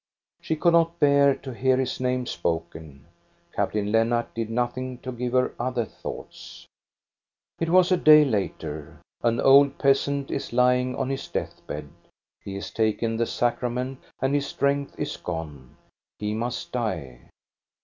She could not bear to hear his name spoken. Captain Lennart did nothing to give her other thoughts. It was a day later. COD'S WAYFARER 345 An old peasant is lying on his death bed. He has taken the sacrament, and his strength is gone ; he must die.